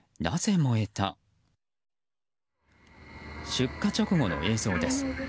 出火直後の映像です。